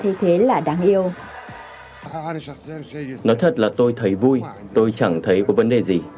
một số cổ động viên đã bắt đầu bắt đầu bắt đầu bắt đầu bắt đầu